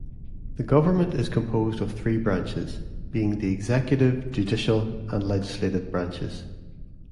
The government is composed of three branches, being the executive, judicial, and legislative branches.